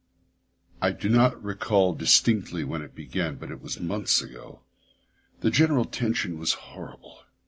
... I do not recall distinctly when it began, but it was months ago. The general tension was horrible.